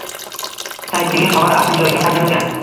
Saytdagi xabar asl joyiga qaytarilgan